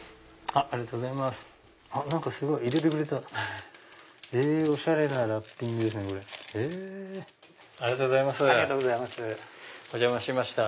ありがとうございます。